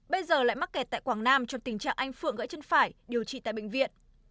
bây giờ lại mắc kẹt tại quảng nam trong tình trạng anh phượng gãy chân phải điều trị tại bệnh viện